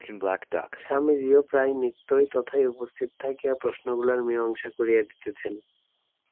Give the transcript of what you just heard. স্বামীজীও প্রায় নিত্যই তথায় উপস্থিত থাকিয়া প্রশ্নগুলির মীমাংসা করিয়া দিতেছেন।